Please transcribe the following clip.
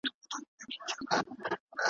انا وویل چې دا زما د ژوند امتحان دی.